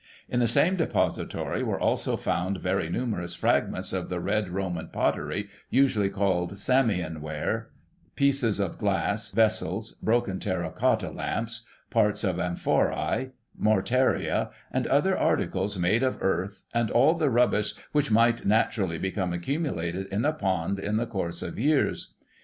In the same depository were also found very numerous fragments of the red Roman pottery, usually called " Samian Ware," pieces of glass vessels, broken terra cotta lamps, parts of amphorae, mortaria, and other articles made of earth, and all the rubbish which might naturally become accumulated in a pond in the course of years.